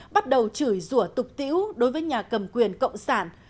bắt đầu chửi rụa tục tiễu đối với nhà cầm quyền cộng sản